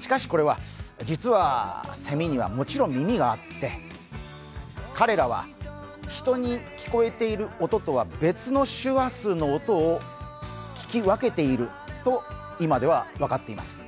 しかしこれは実はセミにはもちろん耳があって、彼らは人に聞こえている音とは別の周波数の音を聞き分けていると今では分かっています。